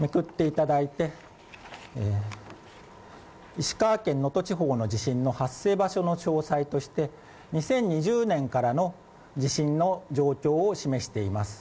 石川県能登地方の地震の発生場所の詳細として２０２０年からの地震の状況を示しています。